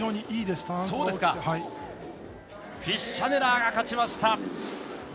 フィッシャネラーが勝ちました。